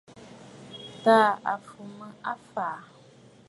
Tàa à fù mə afɔ̀.